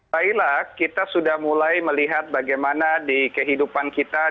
baiklah kita sudah mulai melihat bagaimana di kehidupan kita